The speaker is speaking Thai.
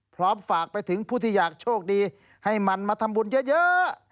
ฝากไปถึงผู้ที่อยากโชคดีให้มันมาทำบุญเยอะ